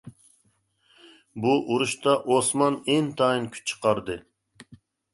بۇ ئۇرۇشتا ئوسمان ئىنتايىن كۈچ چىقاردى.